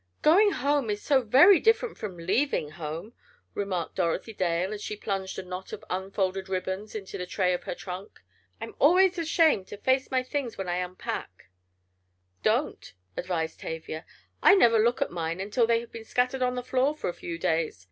"Going home is so very different from leaving home," remarked Dorothy Dale, as she plunged a knot of unfolded ribbons into the tray of her trunk. "I'm always ashamed to face my things when I unpack." "Don't," advised Tavia. "I never look at mine until they have been scattered on the floor for a few days.